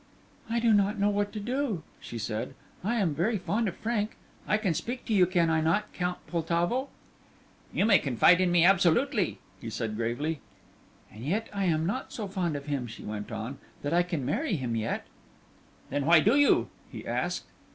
"I do not know what to do," she said. "I am very fond of Frank. I can speak to you, can I not, Count Poltavo?" "You may confide in me absolutely," he said, gravely. "And yet I am not so fond of him," she went on, "that I can marry him yet." "Then why do you?" he asked.